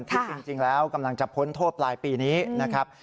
จริงแล้วกำลังจะพ้นโทษปลายปีนี้นะครับ